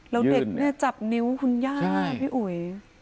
แล้วเด็กเนี่ยจับนิ้วคุณย่าพี่อุ๋ย